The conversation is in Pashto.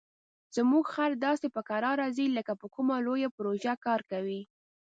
زموږ خر داسې په کراره ځي لکه په کومه لویه پروژه کار کوي.